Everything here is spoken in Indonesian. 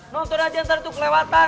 nonton aja ntar tuh kelewatan